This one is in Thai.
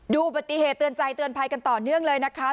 อุบัติเหตุเตือนใจเตือนภัยกันต่อเนื่องเลยนะคะ